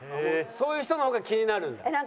そういう人の方が気になるんだ？